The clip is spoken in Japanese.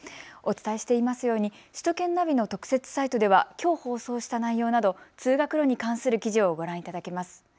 お伝えしていますように首都圏ナビの特設サイトでは、きょう放送した内容など通学路に関する記事をご覧いただけます。